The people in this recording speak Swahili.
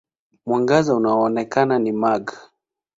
Mwangaza unaoonekana ni mag.